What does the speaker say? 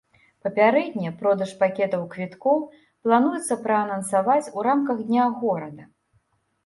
Папярэдне продаж пакетаў квіткоў плануецца праанансаваць у рамках дня горада.